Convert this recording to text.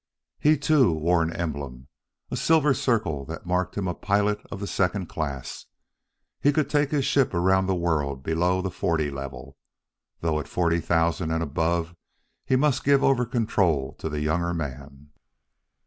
He, too, wore an emblem: a silver circle that marked him a pilot of the second class; he could take his ship around the world below the forty level, though at forty thousand and above he must give over control to the younger man.